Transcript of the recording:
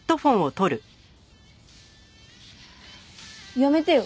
やめてよ。